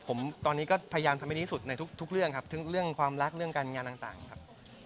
ผมตอนนี้ก็พยายามทำให้ดีที่สุดในทุกเรื่องครับทั้งเรื่องความรักเรื่องการงานต่างครับ